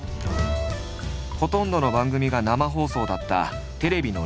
ほとんどの番組が生放送だったテレビの黎明期。